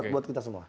buat kita semua